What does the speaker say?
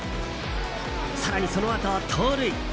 更に、そのあと盗塁。